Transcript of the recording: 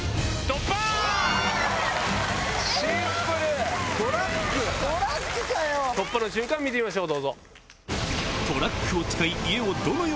⁉突破の瞬間見てみましょう。